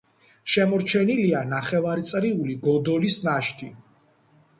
შემორჩენილია ნახევარწრიული გოდოლის ნაშთი.